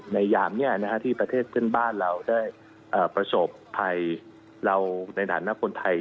ยามที่ประเทศเพื่อนบ้านเราได้ประสบภัยเราในฐานะคนไทย